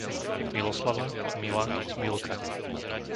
Miloslava, Mila, Milka